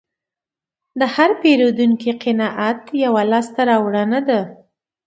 د هر پیرودونکي قناعت یوه لاسته راوړنه ده.